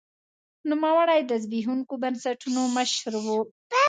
نوموړي د زبېښونکو بنسټونو مشر و.